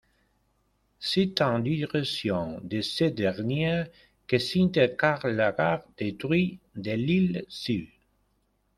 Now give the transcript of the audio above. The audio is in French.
C'est en direction de cette dernière que s'intercale la gare détruite de Lille-Sud.